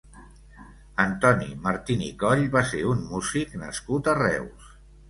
Antoni Martín i Coll va ser un músic nascut a Reus.